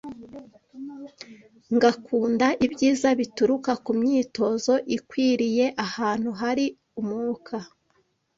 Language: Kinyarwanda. ngakunda ibyiza bituruka ku myitozo ikwiriye ahantu hari umwuka.